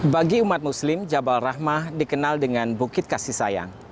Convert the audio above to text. bagi umat muslim jabal rahmah dikenal dengan bukit kasih sayang